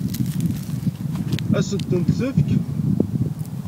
Ad sent-ten-tefk?